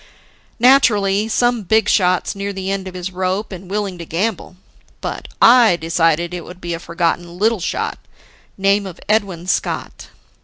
"Naturally, some big shot's near the end of his rope and willing to gamble. But I decided it would be a forgotten little shot, name of Edwin Scott.